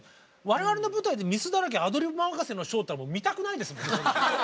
我々の舞台で「ミスだらけアドリブ任せのＳｈｏｗ」っていったらもう見たくないですもんね。